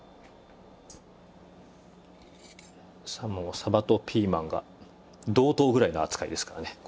さも鯖とピーマンが同等ぐらいの扱いですからね